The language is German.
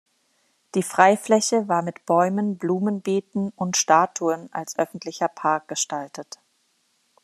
Die Freifläche war mit Bäumen, Blumenbeeten und Statuen als öffentlicher Park gestaltet.